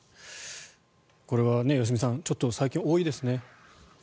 これは良純さんちょっと最近多いですね。